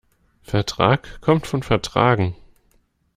Vertrag kommt von vertragen.